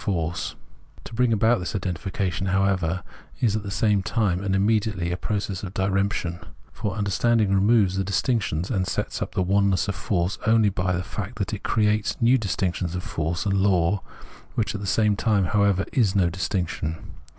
Force. To bring about this identification, how ever, is at the same time and immediately a process of diremption ; for understanding removes the dis tinctions and sets up the oneness of force only by the fact that it creates a new distinction of force and law, which at the same time, however, is no distinction.